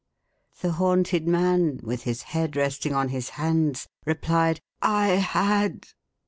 The haunted man, with his head resting on his hands, replied "I had!